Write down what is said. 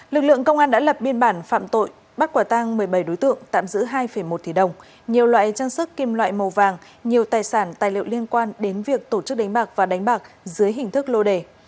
lực lượng công an đã lập biên bản phạm tội bắt quả tăng một mươi bảy đối tượng tạm giữ hai một tỷ đồng nhiều loại trang sức kim loại màu vàng nhiều tài sản tài liệu liên quan đến việc tổ chức đánh bạc và đánh bạc dưới hình thức lô đề